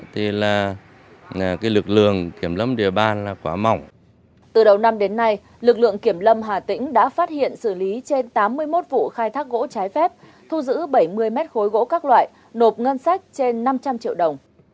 từ đầu năm đến nay lực lượng kiểm lâm hà tĩnh đã phát hiện xử lý trên tám mươi một vụ khai thác gỗ trái phép thu giữ bảy mươi mét khối gỗ các loại nộp ngân sách trên năm trăm linh triệu đồng